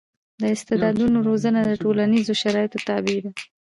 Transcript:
د استعدادونو روزنه د ټولنیزو شرایطو تابع ده.